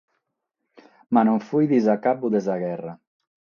Ma non fuit s'acabbu de sa gherra.